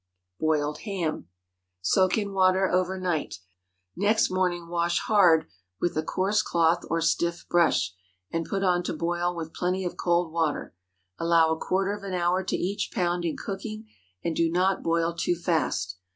BOILED HAM. Soak in water over night. Next morning wash hard with a coarse cloth or stiff brush, and put on to boil with plenty of cold water. Allow a quarter of an hour to each pound in cooking, and do not boil too fast.